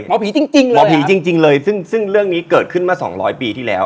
หมอผีจริงเหรอหมอผีจริงเลยซึ่งเรื่องนี้เกิดขึ้นมาสองร้อยปีที่แล้ว